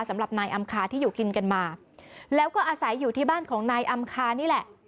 สำหรับนายอำคาที่อยู่กินกันมาแล้วก็อาศัยอยู่ที่บ้านของนายอำคานี่แหละ